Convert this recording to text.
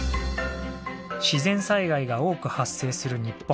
自然災害が多く発生する日本。